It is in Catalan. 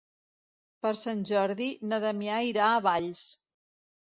Per Sant Jordi na Damià irà a Valls.